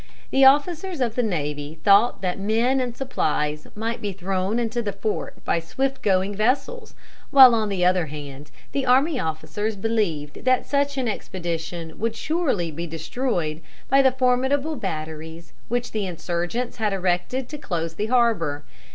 The officers of the navy thought that men and supplies might be thrown into the fort by swift going vessels, while on the other hand the army officers believed that such an expedition would surely be destroyed by the formidable batteries which the insurgents had erected to close the harbor.